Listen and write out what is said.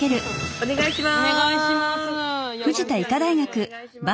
お願いします。